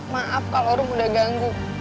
maaf kalau orang udah ganggu